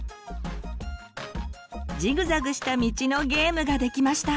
ジグザグした道のゲームができました。